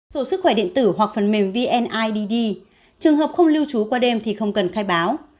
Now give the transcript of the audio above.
sổ sức khỏe điện tử hoặc phần mềm vnid trường hợp không lưu trú qua đêm thì không cần khai báo